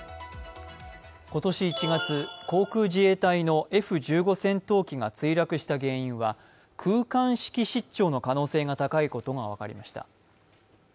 今年１月、航空自衛隊のＦ１５戦闘機が墜落した原因は空間識失調の可能性が高いことが分かりました。